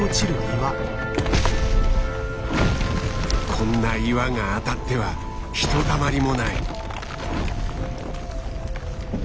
こんな岩が当たってはひとたまりもない。